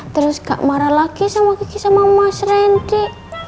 terus enggak marah lagi sama kiki sama mas rendy